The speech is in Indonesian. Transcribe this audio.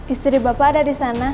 istri bapak ada disana